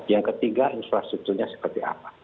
yang ketiga infrastrukturnya seperti apa